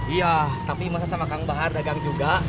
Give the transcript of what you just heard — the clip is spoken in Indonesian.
iya tapi masa sama kang bahar dagang juga